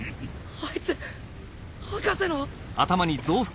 あいつ博士の。